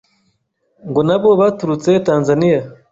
ngo nabo baturutse Tanzania